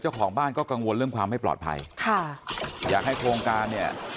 เจ้าของบ้านก็กังวลเรื่องความไม่ปลอดภัยค่ะอยากให้โครงการเนี่ย